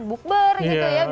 bukber gitu ya